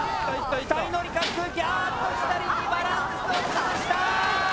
２人乗り滑空機ああっと左にバランスを崩した！